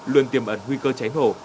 luôn tiềm ẩn nguy cơ cháy nổ